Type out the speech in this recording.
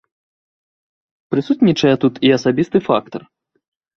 Прысутнічае тут і асабісты фактар.